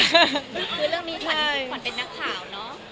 คือเรื่องนี้ขวัญเป็นนักข่าวเนอะ